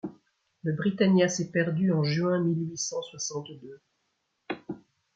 Le Britannia s’est perdu en juin mille huit cent soixante-deux. ..